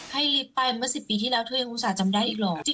ลิฟต์ไปเมื่อ๑๐ปีที่แล้วเธอยังอุตส่าห์จำได้อีกหรอก